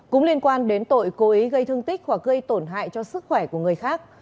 cũng liên quan đến tội cố ý gây thương tích hoặc gây tổn hại cho sức khỏe của người khác